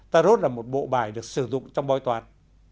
tarot là một bộ bài được sử dụng trong bói toán